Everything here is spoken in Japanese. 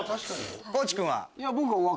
地君は？